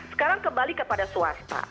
sekarang kembali kepada swasta